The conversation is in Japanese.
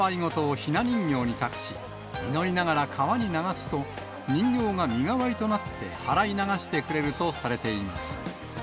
ひな人形に託し、祈りながら川に流すと、人形が身代わりとなってはらい流してくれるとされています。